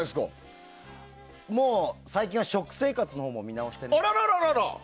もう最近は食生活のほうも見直しています。